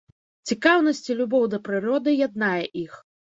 Цікаўнасць і любоў да прыроды яднае іх.